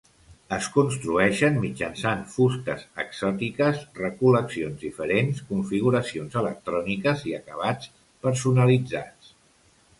Es construeixen mitjançant fustes "exòtiques", recol·leccions diferents, configuracions electròniques i acabats personalitzats.